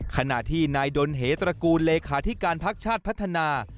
ขณะที่นายดนเหตระกูลเลขาธิการพักชาติพัฒนา